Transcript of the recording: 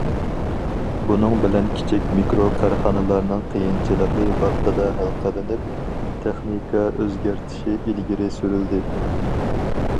بۇنىڭ بىلەن كىچىك، مىكرو كارخانىلارنىڭ قىيىنچىلىقى ۋاقتىدا ھەل قىلىنىپ، تېخنىكا ئۆزگەرتىشى ئىلگىرى سۈرۈلدى.